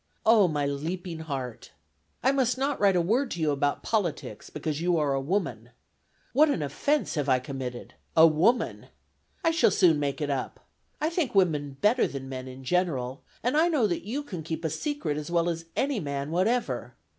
Oh, my leaping heart! "I must not write a word to you about politics, because you are a woman. "What an offense have I committed! A woman! "I shall soon make it up. I think women better than men, in general, and I know that you can keep a secret as well as any man whatever.